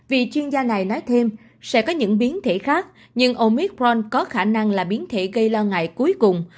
vì chuyên gia này nói thêm sẽ có những biến thể khác nhưng omicront có khả năng là biến thể gây lo ngại cuối cùng